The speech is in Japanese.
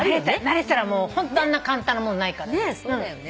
慣れたらホントあんな簡単なものないから。